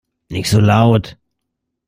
Nicht so laut!